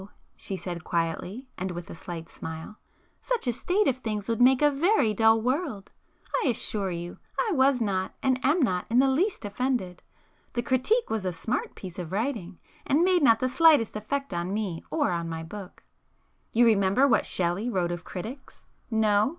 she said quietly and with a slight smile—"Such a state of things would make a very dull world! I assure you I was not and am not in the least offended—the critique was a smart piece of writing, and made not the [p 229] slightest effect on me or on my book. You remember what Shelley wrote of critics? No?